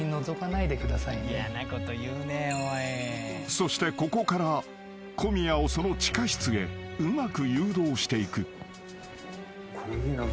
［そしてここから小宮をその地下室へうまく誘導していく］